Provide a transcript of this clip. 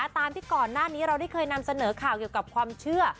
ตามที่ก่อนหน้านี้เราได้เคยนำเสนอข่าวเกี่ยวกับความเชื่อ